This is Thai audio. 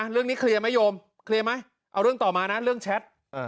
เรื่องนี้เคลียร์ไหมโยมเอาเรื่องต่อมานะเรื่องแชท